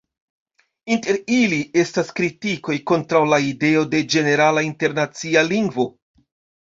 Inter ili, estas kritikoj kontraŭ la ideo de ĝenerala internacia lingvo.